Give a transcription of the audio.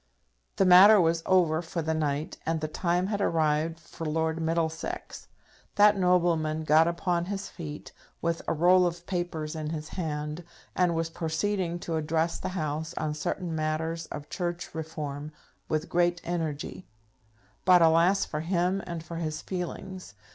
The matter was over for the night, and the time had arrived for Lord Middlesex. That nobleman got upon his feet, with a roll of papers in his hand, and was proceeding to address the House on certain matters of church reform, with great energy; but, alas, for him and for his feelings!